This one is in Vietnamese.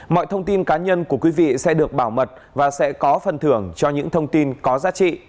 mọi thông tin cá nhân của quý vị sẽ được bảo mật và sẽ có phần thưởng cho những thông tin có giá trị